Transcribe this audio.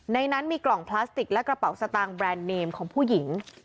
ในนั้นมีกล่องพลาสติกและกระเป๋าสตางค์แบรนด์เนมของผู้หญิง